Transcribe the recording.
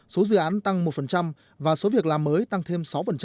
số dự án tăng một và số việc làm mới tăng thêm sáu